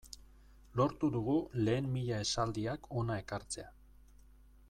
Lortu dugu lehen mila esaldiak hona ekartzea.